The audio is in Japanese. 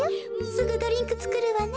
すぐドリンクつくるわね。